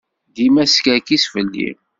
Dima teskerkis fell-i.